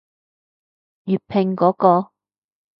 粵拼嗰個？